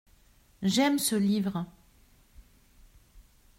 J’aime ce livre.